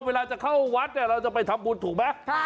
เวลาจะเข้าวัดเราจะไปทำบุญถูกไหม